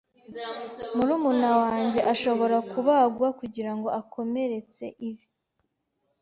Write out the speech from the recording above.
Murumuna wanjye ashobora kubagwa kugirango akomeretse ivi.